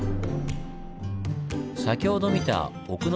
先ほど見た奥ノ